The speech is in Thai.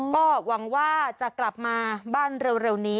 ก็หวังว่าจะกลับมาบ้านเร็วนี้